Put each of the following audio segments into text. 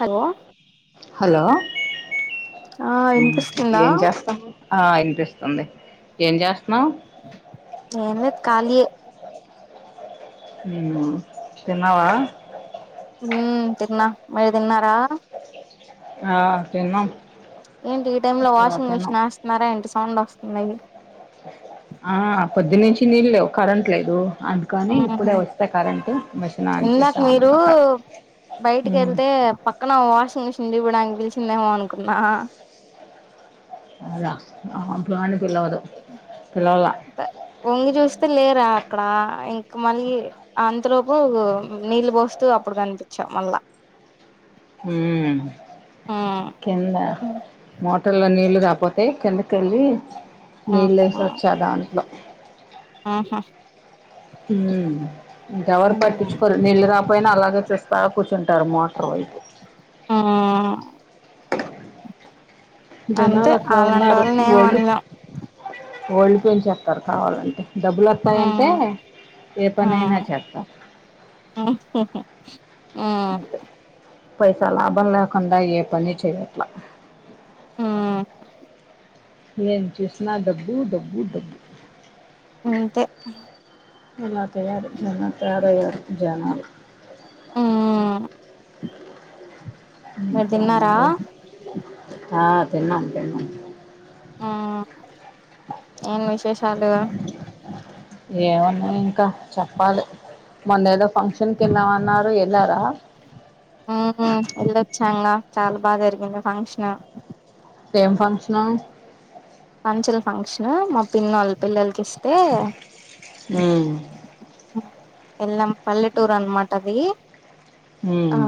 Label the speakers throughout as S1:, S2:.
S1: Hello
S2: hello
S1: ఆ
S2: ఉమ్
S1: వినిపిస్తుందా
S2: ఏంజేస్తానవ్ ఆ ఇన్పిస్తుంది ఏం జేస్తున్నావు
S1: ఏంలేదు కాళియే
S2: ఉమ్ తిన్నావ
S1: ఊ తిన్నా మీర్ దిన్నార
S2: ఆ తిన్నం
S1: ఏంటి ఈ టైంలో వాషింగ్ మిషిన్ ఏస్తున్నార ఏంటి సౌండ్ వస్తుంది
S2: ఆ పొద్దునించి నీళ్లేవు కరెంట్ లేదు అం కానీ
S1: ఉహు
S2: ఇప్పుడే వస్తే కరెంటు మిషన్ ఆన్ చేస అన్మాట
S1: బైటికెళ్తే పక్కన వాషింగ్ మిషిన్ చూపిడానికి పిలిచిందేమో అనుకున్నా
S2: అదా [unintelligible] పిలదు పిలవలా
S1: ఒంగి చూస్తే లేరా అక్కడ ఇంక మళ్ళీ అంతలోపు నీళ్లు పోస్తూ అప్పుడు కనిపిచ్ఛవ్ మళ్ళా
S2: ఉ
S1: ఉమ్
S2: కింద మోటర్లో నీళ్లు రాపోతే కిందకెళ్ళి నీళ్లు ఏసోచ్చ దాంట్లో
S1: ఆహా
S2: మ్ ఇంకా ఎవరు పట్టిచ్చుకోరు నీళ్ళు రాకపోయిన అలాగే చూస్తా కూర్చుంటారు మోటరు [unintelligible]
S1: ఆ అంతే
S2: జనాలు
S1: అలోంటోళ్లని ఏం అనలేం
S2: ఓల్డ్ పెన్ చేత్తారు కావాలంటే డబ్బులు [unintelligible] అంటే
S1: ఉమ్
S2: ఏ పనైనా
S1: ఉమ్
S2: చెత్త
S1: ఆహహ ఆ
S2: పైస లాభం లేకుండా ఏ పని చెయట్ల
S1: ఆ
S2: ఎం చూసిన డబ్బు డబ్బు డబ్బు
S1: అంతే
S2: ఎలా తయారు జన తయారయారు జనాలు
S1: ఉ మీరు
S2: ఇంకేం
S1: తిన్నారా
S2: మరి ఆ తిన్నం తిన్నం
S1: ఆ ఏమ్ విశేషాలు
S2: ఏమునాయ్ ఇంకా చెప్పాలి మొన్న ఏదో ఫంక్షన్ కెళ్ళామ్ అన్నారు వెళ్ళారా
S1: ఉ వెళ్ళొచ్చాంగ చాలా బాగ జరిగింది ఫంక్షను
S2: ఎమ్ ఫంక్షను
S1: పంచల్ ఫంక్షన్ మా పిన్నోళ్ల పిల్లలకి ఇస్తే
S2: ఉ
S1: ఎల్లాం పల్లెటూర్ అన్మాట అది ఆ
S2: ఉమ్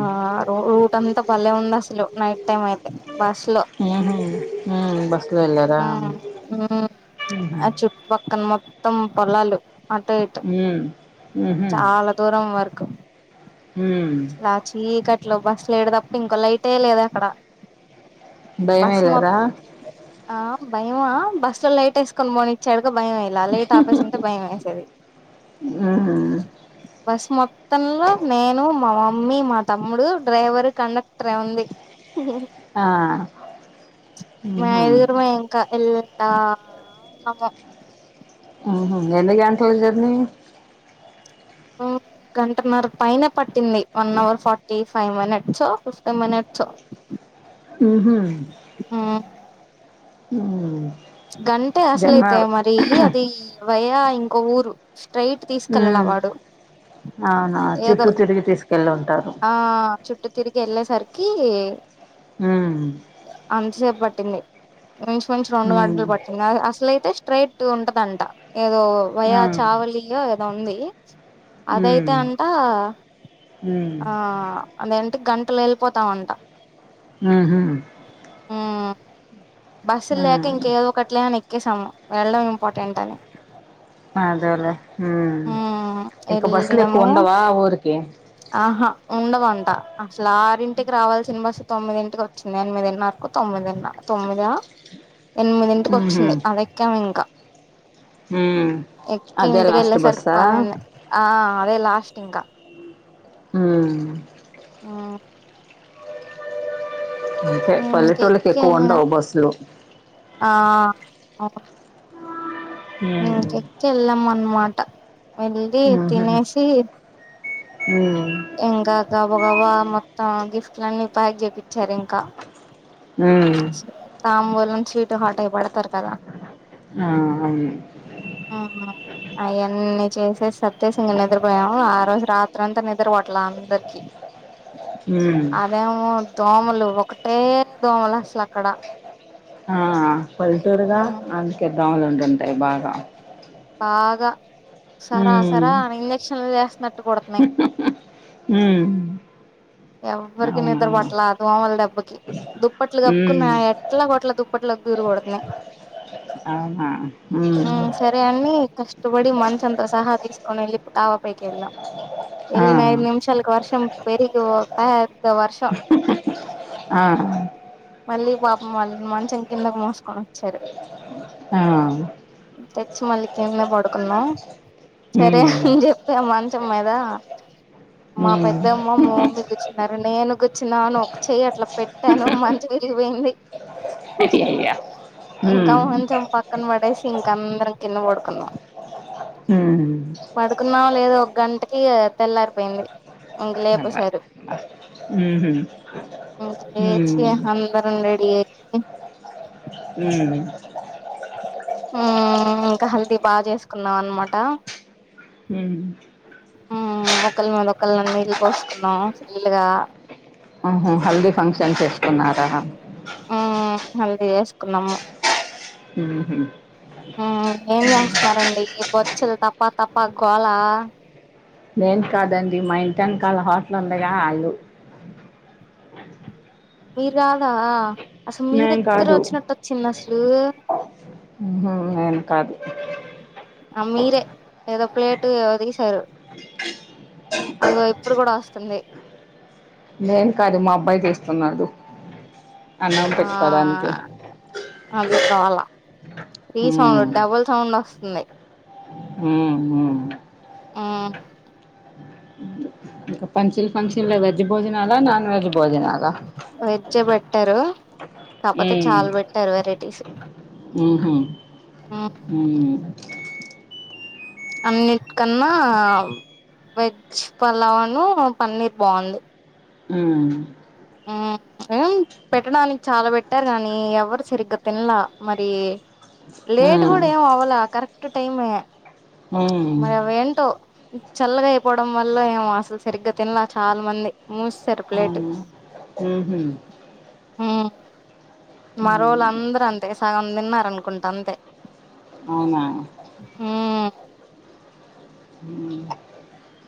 S1: రూట్ అంత భలే ఉంది అసలు నైట్ టైం అయితే బస్లో
S2: ఉహు హు బస్సులో వెళ్ళార ఉహు
S1: పక్కన మొత్తం పొలాలు అంటే
S2: ఉ ఉహు
S1: దూరం వరకు
S2: ఉ
S1: అసలు ఆ చీకట్లో బస్సు లైటు తప్పితే ఇంకో లైటే లేదు అక్కడ
S2: భయం
S1: బస్
S2: అయ్యలేద
S1: మొత్ ఆ భయమా బస్ లో లైట్ వేసుకొని పోనీ ఇచ్చాడుగా భయం అ అ లైట్ ఆపేసుంటే భయం వేసేది
S2: ఉహు
S1: బస్ మొత్తంలో నేను మా మమ్మీ మా తమ్ముడు డ్రైవర్ కండక్టరె ఉంది
S2: ఆ
S1: మా
S2: ఉహు
S1: ఐదుగురు మే ఇంకా వెళ్తా ఉన్నము
S2: ఉహు ఎన్ని గంంటల జర్నీ
S1: గంటన్నర పైనె పట్టింది వన్ అవర్ ఫార్టీ ఫైవ్ మినిట్సో ఫిఫ్టీన్ మినిట్సో
S2: మ్ ఉహు
S1: ఆ
S2: ఉమ్
S1: గంటే
S2: జన్మ
S1: అసలైతే మరి ఇ అది ఇ వయా ఇంకో ఊరు స్ట్రెయిట్ తీసుకెళ్లలా
S2: ఉమ్
S1: వాడు
S2: అవునా
S1: ఏదో
S2: చుట్టూ తిరిగి తీసుకెళ్ళి ఉంటారు
S1: ఆ చుట్టు తిరిగి ఎల్లేసరికి
S2: మ్
S1: అంతసేపు పట్టింది ఇంచుమించు రెండు గంట
S2: ఉమ్
S1: అసలైతే స్ట్రైట్ ఉంటదంట ఏదో
S2: ఆ
S1: వయా చావలి లి ఏదో ఉంది అదైతే
S2: ఉమ్
S1: అంటా
S2: ఉమ్
S1: ఆ అదేంటి గంటలో ఎళ్ళిపోతామంట
S2: మ్ ఉహుమ్
S1: ఉమ్ బస్సులు లేక
S2: ఉమ్
S1: ఇంక ఏదో ఒకట్లే అని ఎక్కేసాము వెళ్ళడం ఇంపార్టెంట్ అని
S2: అదేలే ఉమ్
S1: ఉమ్
S2: ఇంకా బస్లు
S1: వెళ్ళాము
S2: ఎక్కువుండవా ఆ ఊరికి
S1: ఆహా ఉండవంట అసలు ఆరింటికి రావాల్సిన బస్ తొమ్మిదింటికి వొచ్ చ్చి ఎనిమిదిన్నరకో తొమ్మిదిన్నరకో తొమ్మిదా ఎన్మిదింటికి
S2: ఉహు
S1: వొచ్చింది అదెక్కామింకా
S2: ఉమ్
S1: ఎక్కి
S2: అదే లాస్ట్
S1: ఇంటికెళ్ళేసరికి
S2: బస్సా
S1: పదైంది ఆ అదే లాస్ట్ ఇంకా
S2: మ్
S1: మ్
S2: అంతే
S1: ఉమ్
S2: పల్లెటూళ్ళకి
S1: చెక్కి వెళ్ళిన
S2: ఎక్కువుండవు బస్సులు
S1: ఆ అవున్ మ్మ్
S2: ఉమ్
S1: చెర్చ్ కెళ్ళాం అన్మాట
S2: మ్ ఉహు ఊమ్
S1: ఇంకా గబా గబా మొత్తం గిఫ్ట్లన్నీ ప్యాక్ జేపిచ్చారు ఇంకా
S2: మ్
S1: తాంబూలం స్వీట్ హాట్ అయి పెడ్తారు కదా
S2: ఆ అవును
S1: మ్ అయన్నీ చేస్ సర్దెసి ఇంగ నిద్రపోయాము ఆ రోజు రాత్రంతా నిద్రపట్లా అందర్కి
S2: మ్
S1: వా మో దోమలు ఒకటే దోమలు అసలక్కడ
S2: ఆ పల్లెటూరుగా అందుకే దోమలు ఉండింటాయి బాగా
S1: బాగా సరా
S2: ఉమ్
S1: సరా ఇంజక్షన్లు చేస్తున్నట్టు కుడతన్నాయి
S2: ఉమ్
S1: ఎవ్వరికి
S2: అవునా
S1: నిద్రపట్లా ఆ దోమల దెబ్బకి దుప్పట్లు గప్పుకున్న
S2: ఉమ్
S1: ఎట్లాగొట్ల దుప్పట్లో కి. దూరి కుడతన్నాయి
S2: అవునా మ్
S1: వేయాన్ని కష్టబడి మంచంతో సహా తీస్కొని వెళ్ళిప్పు తావాపైకెళ్ళాం
S2: ఆ
S1: ఎళ్లిన ఐదు నిమిషాలకు వర్షం పెరిగి ఓ పేద్ద వర్షం
S2: ఆహ్
S1: మళ్ళీ పాపం వాళ్ మంచం కిందకి మోస్కొన్ ఒచ్చారు
S2: ఆ
S1: తెచ్చి మళ్ళి కిందపడుకున్నాం సరే
S2: ఉమ్
S1: అన్ జెప్ పె మంచం మీద మా
S2: ఉమ్
S1: పెద్దమ్మ మామమ్మి న్నరే నేను గుచ్చినామన్ ఒక చెయ్ అట్లా పెట్టాను మంచం ఇరిగిపేంది
S2: అయ్యయ్యో
S1: ఇంకా మంచెం పక్కన పడేసి ఇంకా అందరం కింద బడుకున్నాం
S2: హుమ్
S1: పడుకున్నాం లేదో ఒక గంటకి అ తెల్లారిపోయింది ఇంక లేపేసారు
S2: ఉహు
S1: అంతె లేచి య అందరం రెడీ ఏ
S2: ఊమ్
S1: ఊ ఇంకా హల్దీ బా జేస్కున్నాం అన్మాట
S2: ఉమ్మ్
S1: ఉమ్ ఒకల్ మీద ఒకల్ నీళ్లు పోస్కున్నాం ఫుల్లుగా
S2: అహ్ హల్దీ ఫంక్షన్ చేస్తున్నారా
S1: ఊ హల్దీ ఎస్కున్నాము
S2: ఊ హ్
S1: ఊ ఏం జేస్తున్నారండి బొచ్చల్ తప్ప తప్ప గోలా
S2: నేన్ కాదండి మా ఇంటేన్ కాళ్ళ హోటల్ ఉందిగా ఆళ్ళు
S1: మీరు గాదా అసల్ మీ
S2: నేను
S1: దగ్గర
S2: కాదు
S1: ఒచ్చినట్ ఒచ్చిందసలు
S2: ఉహ్ నేను కాదు
S1: అ మీరే ఏదో ప్లేట్ ఒదిగిశారు అగో ఇప్పుడు గూడా ఒస్తుంది
S2: నేను కాదు మా అబ్బాయి తీస్తున్నాడు
S1: ఆ అది కావలా ఈ సౌ డబుల్ సౌండ్ ఒస్తుంది
S2: ఉమ్ హ్
S1: ఊ
S2: ఇంక పంచల్ ఫంక్షన్లో వెజ్ భోజనాలా నాన్ వెజ్ భోజనాలా
S1: వెజ్జే పెట్టారు కాపోతే చాల్ పెట్టారు వెరైటీస్
S2: ఊహు ఊ
S1: అన్నిట్ కన్నా వెజ్ పలావన్ను పన్నీర్ బావుంది
S2: ఊమ్
S1: ఎయ్ పెట్టడానిక్ చాలా పెట్టారు కానీ ఎవరు సరిగ్గా తిన్లా మరీ లేట్
S2: మ్మ్.
S1: కూడా ఏం అవల కరెక్ట్ టైమే
S2: హ్మ్.
S1: మరి అవేంటో చల్లగా అయిపోవడం వల్ల ఏమో అసలు సరిగ్గా తినల చాలా మంది మూస్సారు ప్లేట్
S2: ఊహ్
S1: మరోల అందరూ అంతే సాగం తిన్నరు అనుకుంటా అంతే
S2: అవునా
S1: మ్
S2: ఉమ్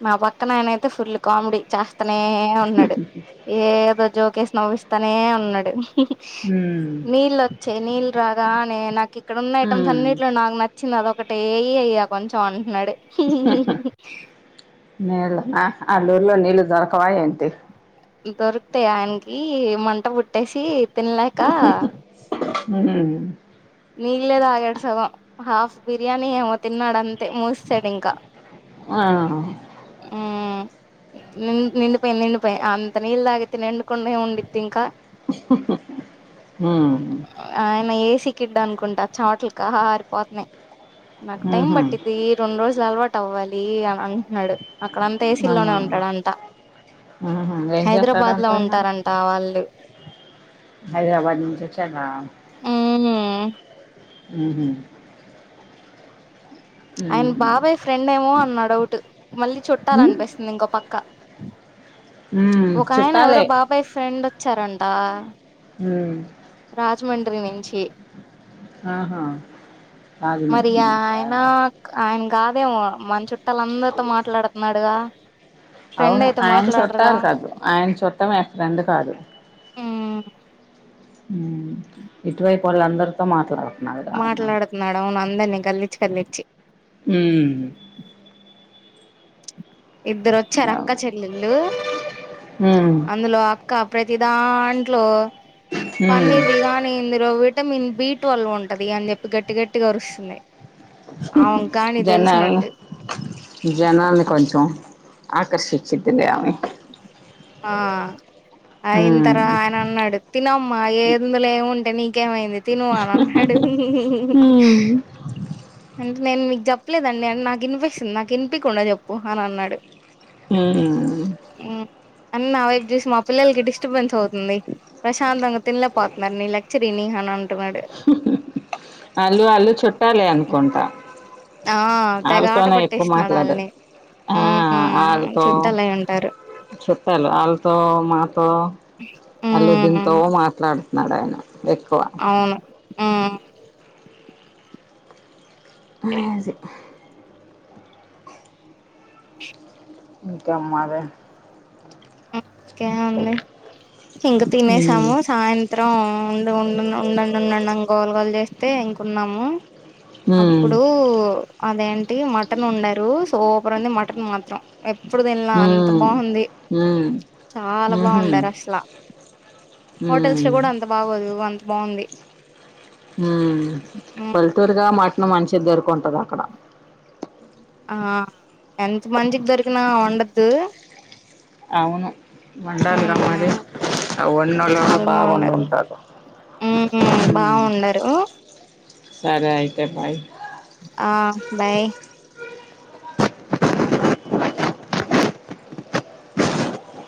S1: మా పక్క నాయనైతే ఫుల్ కామెడీ చేస్తనే ఉన్నాడు ఏదో జోకేసి నవ్విస్తానే ఉన్నాడు
S2: హ్మ్.
S1: నీళ్ళు వచ్చాయి నీళ్లు రాగానే నాకు ఇక్కడ ఉన్న ఐటెమ్స్
S2: హ్మ్.
S1: అన్నింటిలో నాకు నచ్చ చ్చినవి అదొకటె ఏ అయ్యా కొంచెం అది అంటున్నాడు
S2: నేళ్ళ ఆ అల్ ఊర్లో నీళ్ళు దొరకవా ఏంటి
S1: దొరుకుతాయి ఆయనకి మంట పుట్టేసి తినలేక
S2: ఉహ్
S1: నీళ్లే తాగాడు సగం హాఫ్ బిర్యానీ ఏమో తిన్నాడు అంతే మూసేసడు ఇంకా
S2: ఆ
S1: ఉ నిండి పోయింద్ నిండి పోయింద్ అంత నిల్దగగితి నెంకొే ఉండిత్తి ఇంకా
S2: ఉ
S1: ఆయన ఏసీ కిడ్ అనుకుంటా చాట్లు కారిపోతున్నాయి నాకు టైం
S2: హుహు.
S1: పట్టిది రెండు రోజులు అలవాటు అవ్వాలి అని అంటున్నాడు అక్కడ అంతా ఏసీ
S2: ఆ!
S1: లోనే ఉంటాడంట
S2: హుహు. ఏం
S1: హైదరాబాద్ లో
S2: చేస్తాడంటాయన?
S1: ఉంటారంట వాళ్ళు
S2: హైదరాబాద్ నుంచి వచ్చారా
S1: అవునా
S2: ఉహ్
S1: ఆయన
S2: హ్మ్.
S1: బాబాయ్ ఫ్రెండ్ ఏమో అని నా డౌట్ మళ్ళీ చుట్టాల
S2: హ్మ్.
S1: అనిపిస్తుంది ఇంకో పక్క
S2: హ్మ్.
S1: ఒక ఆయన ఎవరో
S2: చుట్టాలే.
S1: బాబాయ్ ఫ్రెండ్ వచ్చారంట
S2: ఉ
S1: రాజమండ్రి నుంచి
S2: ఆహా
S1: మరి
S2: రాజమండ్రి నుంచ
S1: ఆయన ఆయన కాదేమో మన చుట్టాల అందరితో మాట్లాడుతున్నాడుగా ఫ్రెండ్
S2: అవును
S1: అయితే
S2: ఆయన
S1: మాట్లాడరుగా
S2: చుట్టాలు కదు ఆయన చుట్టం ఎ ఫ్రెండ్ కాదు
S1: ఉ
S2: ఇటువైపు వొళ్ళు అందరితో మాట్లాడా
S1: మాట్లాడుతున్నాడు అవును అందరినీ కద్లిచ్చి కద్లిచ్చి
S2: ఉమ్
S1: ఇద్దరు వొచ్చారు అక్క చెల్లెళ్ళు
S2: ఉమ్
S1: అందులో క్క ప్రతి దాంట్లో
S2: ఉమ్
S1: పన్నీర్ది గానీ ఇందులో వెట్ విటమీన్ బీట్వీల్వ్ ఉంటది అని చెప్పి గట్టి గట్టిగా అరుస్తుంది అవున్
S2: జనాల్ను జనాల్ని కొంచం ఆకర్శించిద్దిలే ఆమె
S1: ఆ అయిన తర
S2: ఉమ్
S1: ఆయన అన్నడు తినమ్మా ఏందులో ఎముంటే నీకేమైంది తిను అని అన్నాడు అంటే నేను మీకు చెప్పలేదండి అ నాకు వినిపిస్తుంది నాకు వినిపికుండా చెప్పు అని అన్నాడు
S2: హు
S1: అని నా వైపు చూసి మా పిల్లలకి డిస్టర్బెన్స్ అవుతుంది ప్రశాంతంగా తినలేకపోతున్నారు నీ లెక్చర్ ఇని అని అంటున్నాడు
S2: అల్ళు అళ్ళు చుట్టాలే అనుకుంటా
S1: ఆ తెగ ఆట
S2: వాళ్ళతోనే ఎక్కువ
S1: పట్టేస్తున్నాడు
S2: మాట్లాడా
S1: వాళ్ళని
S2: ఆ
S1: ఉమ్
S2: అల్తో
S1: చుట్టాలయి ఉంటారు
S2: చుట్టాలు ఆళ్ళతో మాతో అల్లు దింతో
S1: ఉమ్
S2: మాట్లాడు మాట్లాడుతున్నాడు ఆయన ఎక్కువ
S1: అవును ఆ
S2: మాజీ ఇంకా మరి
S1: ఇంకేం ఉంది ఇంక
S2: ఉమ్
S1: తినేసాము సాయంత్ రౌండు ఉండు ఉ ఉండండి ఉండండి ఆన్ గోల గోల్ చేస్తే ఇంక ఉన్నాము
S2: ఉమ్
S1: అప్పుడూ అదేంటి మటన్ వొండారు సూపర్ ఉంది మటన్ మాత్రం ఎప్పుడు తిన్ల అంత
S2: హ్మ్.
S1: బాగుంది
S2: హ్మ్.
S1: చాలా
S2: హుహు.
S1: బాగొండారు అసలా హోటల్స్ లో
S2: హ్మ్.
S1: కూడా అంత బాగోదు అంత బాగుంది మ్
S2: టూర్ గా మట్ను మంచిది దొరికుంటదా అక్కడ
S1: ఆ ఎంత మంచిది దొరికినా వొండొద్దు
S2: అవును వండాలిగ మరి
S1: ఉమ్
S2: ఆ వొన్నోలో [inaudible]
S1: చాలా
S2: బాగ
S1: బాగుండారు
S2: వొండు ఉంటారు
S1: ఉమ్ బాగుండరు
S2: సరే అయితే బాయ్
S1: ఆ బాయ్